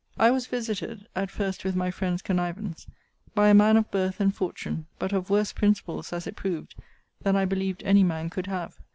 'I was visited (at first, with my friends connivance) by a man of birth and fortune, but of worse principles, as it proved, than I believed any man could have.